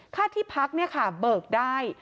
ค่าที่พักเนี่ยค่ะเบิกได้